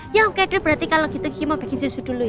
ya oke berarti kalau gitu kiki mau pakai susu dulu ya